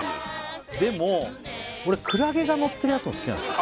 でも俺クラゲがのってるやつも好きなんですよ